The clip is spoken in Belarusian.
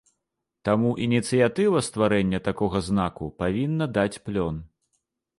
Таму ініцыятыва стварэння такога знаку павінна даць плён.